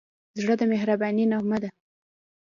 زړه د مهربانۍ نغمه ده.